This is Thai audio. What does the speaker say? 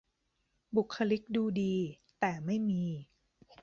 บุคลิกดูดี แต่ไม่มี